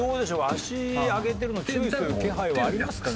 足上げてるのを注意する気配はありますかね？